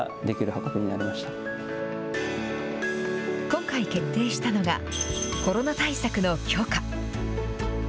今回決定したのが、コロナ対策の強化。